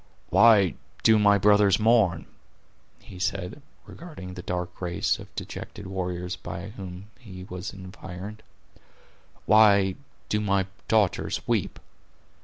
"Why do my brothers mourn?" he said, regarding the dark race of dejected warriors by whom he was environed; "why do my daughters weep?